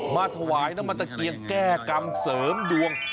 มาถวายน้ำมันตะเกียงแก้กรรมเสริมดวง